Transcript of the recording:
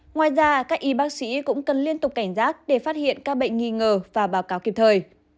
ngoài ra các y bác sĩ cũng cần liên tục cảnh giác để phát hiện các bệnh nghi ngờ và báo cáo kịp thời